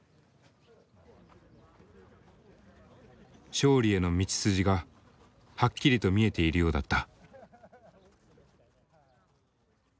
勝利への道筋がはっきりと見えているようだった。